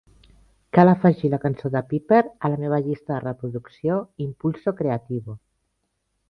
Cal afegir la cançó de Peeper a la meva llista de reproducció Impulso Creativo